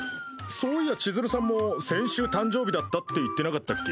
そういや千鶴さんも先週誕生日だったって言ってなかったっけ？